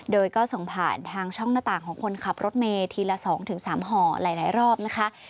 โดยก็ส่งผ่านทางช่องหน้าต่างของคนขับรถเมทีละ๒๓ห่อหลายรอบนะคะ